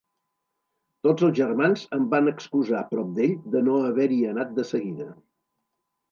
Tots els germans em van excusar prop d'ell de no haver-hi anat de seguida.